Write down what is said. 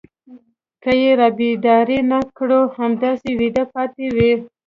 که يې رابيدارې نه کړو همداسې ويدې پاتې وي.